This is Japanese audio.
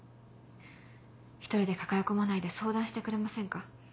１人で抱え込まないで相談してくれませんか？